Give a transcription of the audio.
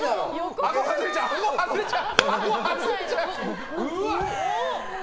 あご外れちゃう。